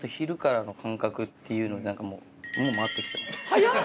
早っ！